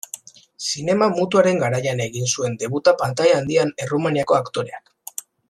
Zinema mutuaren garaian egin zuen debuta pantaila handian Errumaniako aktoreak.